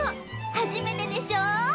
初めてでしょ？